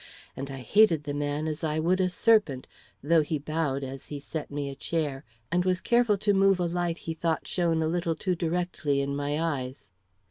And I hated the man as I would a serpent, though he bowed as he set me a chair, and was careful to move a light he thought shone a little too directly in my eyes.